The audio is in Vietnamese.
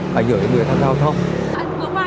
phải giữ cái đuôi thang giao thông